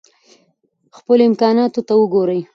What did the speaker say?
خپلو امکاناتو ته وګورئ.